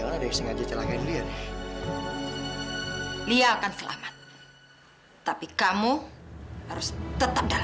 sampai jumpa di video selanjutnya